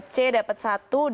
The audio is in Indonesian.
c dapat satu kursi ya